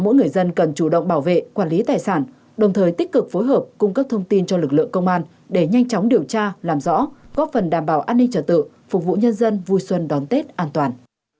mỗi người dân cần chủ động bảo vệ quản lý tài sản đồng thời tích cực phối hợp cung cấp thông tin cho lực lượng công an để nhanh chóng điều tra làm rõ góp phần đảm bảo an ninh trả tự phục vụ nhân dân vui xuân đón tết an toàn